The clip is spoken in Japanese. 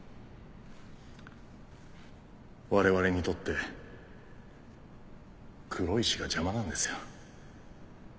我々にとって黒石が邪魔なんですよ。